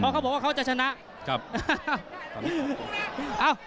เขาบอกว่าเขาจะชนะครับ